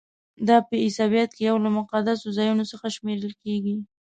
دا په عیسویت کې یو له مقدسو ځایونو څخه شمیرل کیږي.